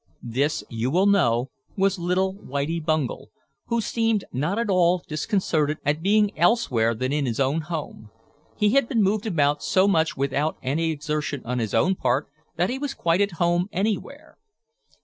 This, you will know, was little Whitie Bungel, who seemed not at all disconcerted at being elsewhere than in his own home. He had been moved about so much without any exertion on his own part that he was quite at home anywhere.